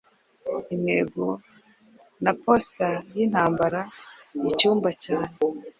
Intego na posita yintambara Icyumba cyane